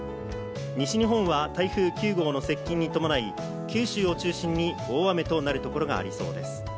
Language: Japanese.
西日本は台風９号の接近に伴い九州を中心に大雨となるところがありそうです。